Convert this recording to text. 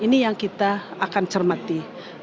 ini yang kita akan cermati